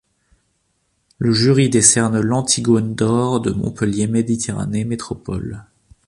Le jury décerne l'Antigone d'or de Montpellier Méditerranée Métropole.